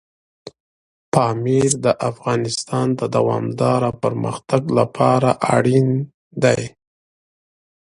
پامیر د افغانستان د دوامداره پرمختګ لپاره اړین دی.